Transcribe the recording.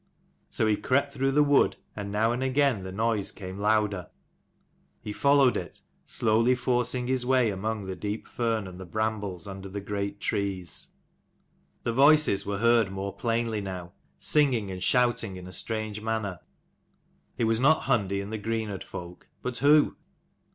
So he crept through the wood, and now and again the noise came louder. He followed it, slowly forcing his way among the deep fern and M 89 the brambles under the great trees. The voices were heard more plainly now, singing and shouting in a strange manner. It was not Hundi and the Greenodd folk: but who?